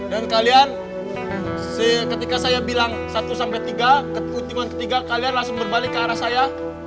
dan kalian ketika saya bilang satu sampai tiga keputingan ketiga kalian langsung berbalik ke arah saya